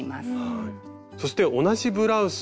そして同じブラウス。